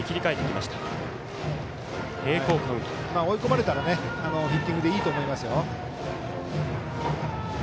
追い込まれたらヒッティングでいいと思いますよ。